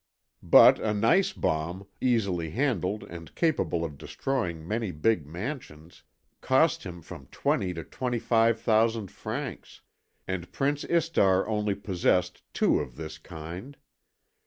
But a nice bomb, easily handled and capable of destroying many big mansions, cost him from twenty to twenty five thousand francs; and Prince Istar only possessed two of this kind.